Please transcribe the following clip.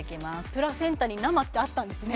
プラセンタに生ってあったんですね